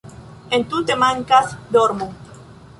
Entute mankas dormo